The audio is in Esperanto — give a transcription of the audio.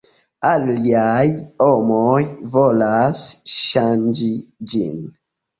Aliaj homoj volas ŝanĝi ĝin.